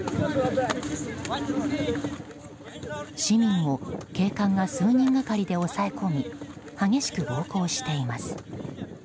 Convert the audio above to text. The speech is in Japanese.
市民を警官が数人がかりで抑え込み激しく暴行しています。